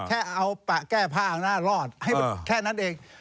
แค่เอาปะแก้ผ้าเอาหน้ารอดให้แค่นั้นเอง